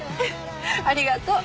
ありがとう。